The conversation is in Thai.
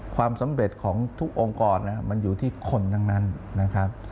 ความสำเร็จของทุกองค์กรมันอยู่ที่คนทั้งนั้นนะครับ